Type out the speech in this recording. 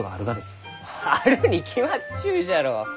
あるに決まっちゅうじゃろ？